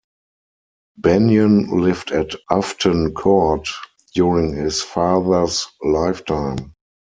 Benyon lived at Ufton Court during his father's lifetime.